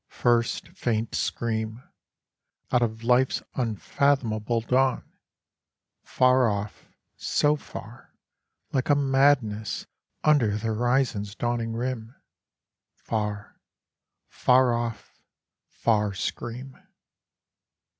First faint scream, Out of life's unfathomable dawn, Far off, so far, like a madness, under the horizon's dawning rim, Far, far off, far scream.